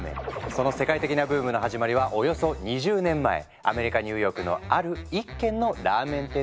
その世界的なブームの始まりはおよそ２０年前アメリカニューヨークのある一軒のラーメン店だといわれているんです。